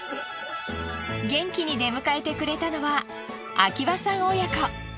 元気に出迎えてくれたのは秋葉さん親子。